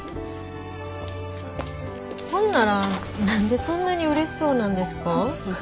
ほんなら何でそんなにうれしそうなんですか？